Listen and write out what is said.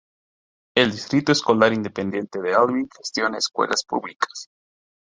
El Distrito Escolar Independiente de Alvin gestiona escuelas públicas.